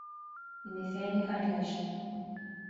Bhí mé féin ag caint leis